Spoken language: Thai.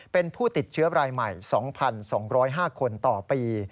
เป็นผู้ติดเชื้อรายใหม่๒๒๐๕คนต่อปี